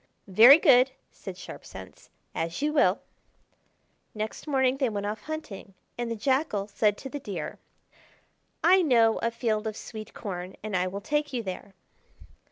"Very good," said Sharp Sense: "as you will." Next morning they went off hunting, and the Jackal said to the Deer: "I know a field of sweet corn, and I will take you there."